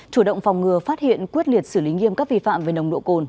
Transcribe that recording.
chủ động phòng ngừa phát hiện quyết liệt xử lý nghiêm các vi phạm về nồng độ cồn